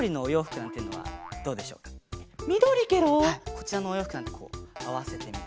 こちらのおようふくなんてこうあわせてみて。